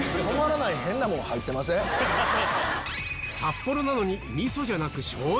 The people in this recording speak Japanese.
札幌なのに味噌じゃなく醤油？